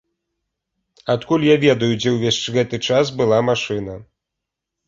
Адкуль я ведаю, дзе ўвесь гэты час была машына?